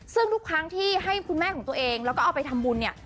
ซึ่งทุกครั้งที่ให้คุณแม่ของตัวเองแล้วก็เอาไปทำบุญเนี่ย